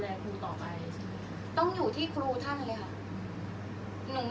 อันไหนที่มันไม่จริงแล้วอาจารย์อยากพูด